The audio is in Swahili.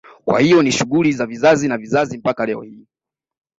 Kwa hiyo ni shughuli ya vizazi na vizazi mpaka leo hii